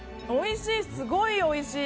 おいしい！